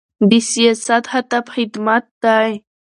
د سیاست هدف خدمت دی